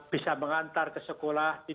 bisa mengantar ke sekolah